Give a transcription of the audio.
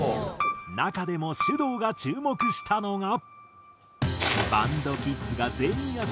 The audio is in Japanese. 中でもｓｙｕｄｏｕが注目したのが。